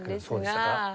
そうでしたか。